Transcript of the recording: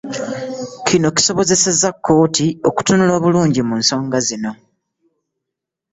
Kino kisobozese kkooti okutunula obulungi mu nsonga zino